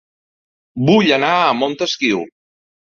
Vull anar a Montesquiu